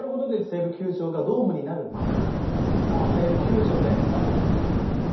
西武球場がドームになる前の最後の西武球場で。